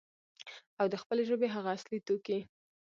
او د خپلې ژبې هغه اصلي توکي،